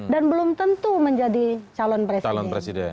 dan belum tentu menjadi calon presiden